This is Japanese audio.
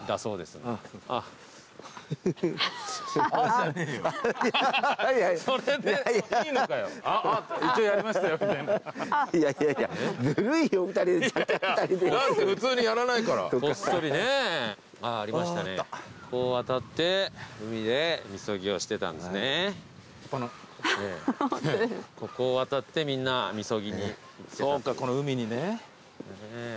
そうかこの海にね。